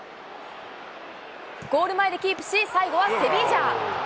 ゴール前でキープし、最後はセビージャ。